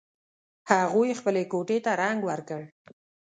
هغوی خپلې کوټې ته رنګ ور کړ